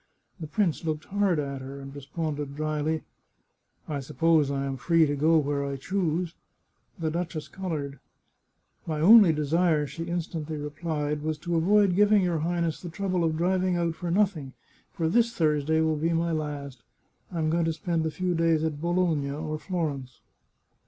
The prince looked hard at her, and responded dryly :" I suppose I am free to go where I choose." The duchess coloured. " My only desire," she instantly replied, " was to avoid giving your Highness the trouble of driving out for noth ing, for this Thursday will be my last. I am going to spend a few days at Bologna or Florence."